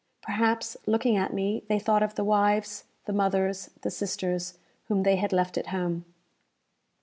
Perhaps, looking at me, they thought of the wives, the mothers, the sisters, whom they had left at home.